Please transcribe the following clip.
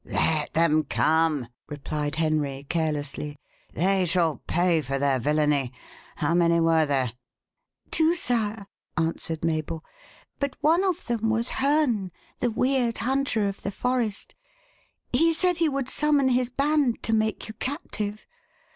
"Let them come," replied Henry carelessly; "they shall pay for their villainy. How many were there?" "Two, sire," answered Mabel; "but one of them was Herne, the weird hunter of the forest. He said he would summon his band to make you captive.